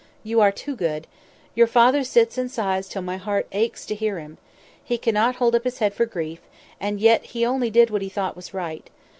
You are too good. Your father sits and sighs till my heart aches to hear him. He cannot hold up his head for grief; and yet he only did what he thought was right.